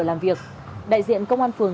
làm việc đại diện công an phường